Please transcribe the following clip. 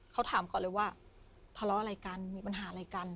เขาถามก่อนเลยว่าทะเลาะอะไรกันมีปัญหาอะไรกัน